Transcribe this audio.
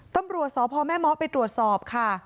ตำรวจสอบพอแม่ม้อไปตรวจสอบค่ะ